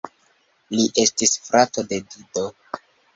Li estis frato de Dido.